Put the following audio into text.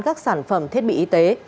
các sản phẩm thiết bị y tế